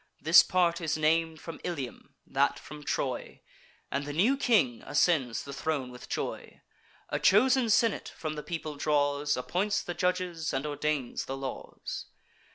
This part is nam'd from Ilium, that from Troy, And the new king ascends the throne with joy; A chosen senate from the people draws; Appoints the judges, and ordains the laws.